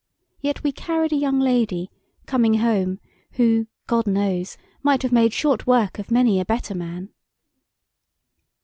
Yet we carried a young lady, coming home, who, God knows, might have made short work of many a better man!